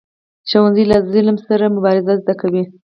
ښوونځی له ظلم سره مبارزه زده کوي